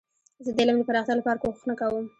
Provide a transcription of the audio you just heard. زه د علم د پراختیا لپاره کوښښ نه کوم.